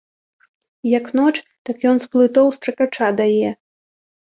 Як ноч, так ён з плытоў стракача дае.